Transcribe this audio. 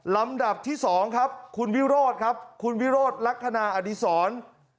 ลำดับที่๒ครับคุณวิโรธครับคุณวิโรธลักษณะอดีศร